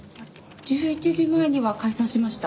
１１時前には解散しました。